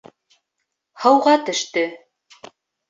Һыуға төштө...